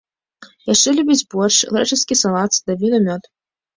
Яшчэ любіць боршч, грэчаскі салат, садавіну, мёд.